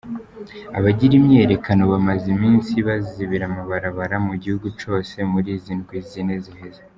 Abagira imyiyerekano bamaze imisi bazibira amabarabara mu gihugu cose muri izi ndwi zine ziheze.